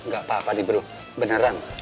gapapa bro beneran